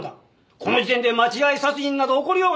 この時点で間違い殺人など起こりようがない！